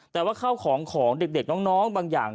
แต่ว่าข้าวของของเด็กน้องบางอย่าง